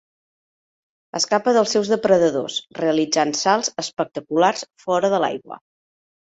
Escapa dels seus depredadors realitzant salts espectaculars fora de l'aigua.